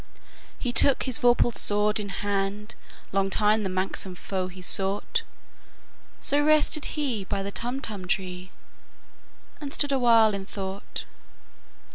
He took his vorpal sword in hand:Long time the manxome foe he sought—So rested he by the Tumtum tree, And stood awhile in thought.